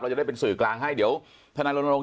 เราจะได้เป็นสื่อกลางให้เดี๋ยวท